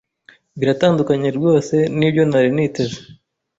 Biratandukanye rwose nibyo nari niteze.